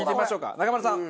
中丸さん。